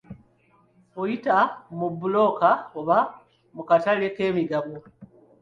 Oyita mu bbulooka oba mu katale k'emigabo.